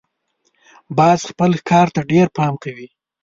باز خپل ښکار ته ډېر پام کوي